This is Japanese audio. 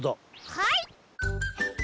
はい！